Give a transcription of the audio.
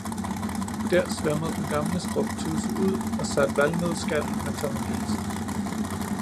dér svømmede den gamle skrubtudse ud og satte valnødskallen med Tommelise.